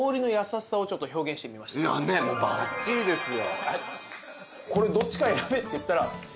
もうバッチリですよ。